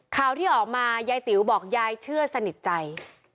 ข่าวที่ออกมายายติ๋วบอกยายเชื่อสนิทใจ